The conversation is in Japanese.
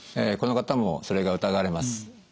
この方もそれが疑われます。